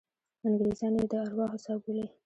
انګریزان یې د ارواحو څاه بولي.